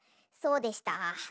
そうでした。